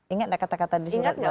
ingat gak kata kata di suratnya